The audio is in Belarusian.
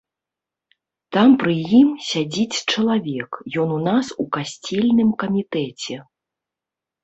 Там пры ім сядзіць чалавек, ён у нас у касцельным камітэце.